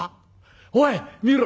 おい見ろ。